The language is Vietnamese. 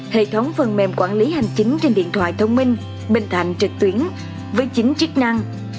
hệ thống phần mềm quản lý hành chính trên điện thoại thông minh bình thành trực tuyến với chính chức năng